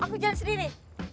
aku jalan sendiri